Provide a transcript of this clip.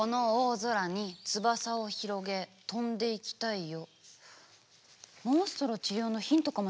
「この大空に翼をひろげ飛んで行きたいよ」！